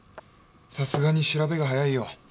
さすがに調べが早いよ。